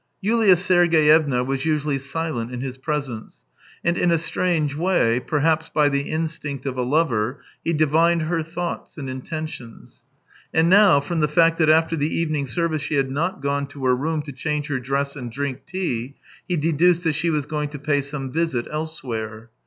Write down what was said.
Yulia Sergeyevna was usually silent in his presence, and in a strange way, perhaps by the instinct of a lover, he divined her thoughts and intentions. And now, from the fact that after the evening service she had not gone to her room to change her dress and drink tea, he deduced that she was going to pay some visit elsewhere.